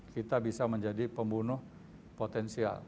kita bisa menjadi pembunuh potensial